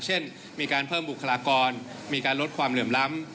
เช่นมีการเพิ่มบุคลากรมีการลดความเหลื่อมล้ำ